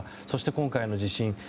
そして今回の地震。